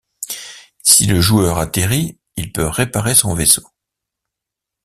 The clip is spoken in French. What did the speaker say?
Si le joueur atterrit, il peut réparer son vaisseau.